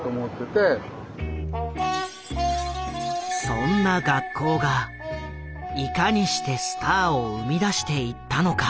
そんな学校がいかにしてスターを生み出していったのか。